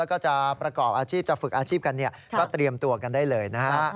แล้วก็จะประกอบอาชีพจะฝึกอาชีพกันก็เตรียมตัวกันได้เลยนะฮะ